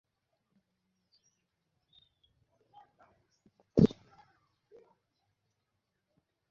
হৃতিকের আইনজীবী আরও জানিয়েছেন, তাঁর মক্কেল ধারণা করছেন, কঙ্গনা মানসিক সমস্যায় ভুগছেন।